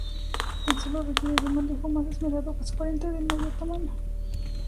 Tan solo requiere de un manejo más esmerado que su pariente de mayor tamaño.